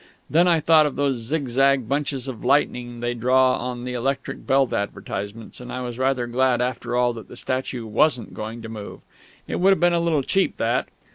Then I thought of those zigzag bunches of lightning they draw on the electric belt advertisements, and I was rather glad after all that the statue wasn't going to move. It would have been a little cheap, that